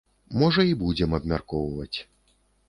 Можа і будзем абмяркоўваць.